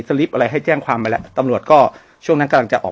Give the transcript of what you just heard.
ลิปอะไรให้แจ้งความไปแล้วตำรวจก็ช่วงนั้นกำลังจะออก